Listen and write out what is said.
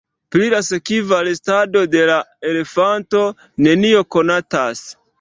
Pri la sekva restado de la elefanto nenio konatas.